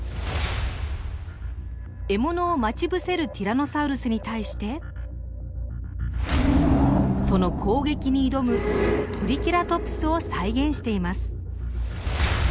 獲物を待ち伏せるティラノサウルスに対してその攻撃に挑むトリケラトプスを再現しています。